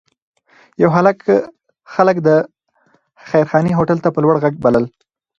یو هلک خلک د خیرخانې هوټل ته په لوړ غږ بلل.